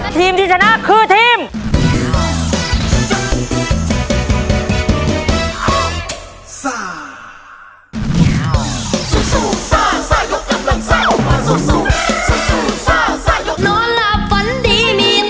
ทีมที่ชนะคือทีม